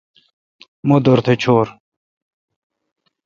مہ دورتھ چھور۔